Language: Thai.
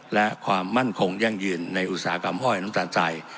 และความมั่นคงยั่งยืนในอุตสาหกรรมห้อยน้ำตาลใจ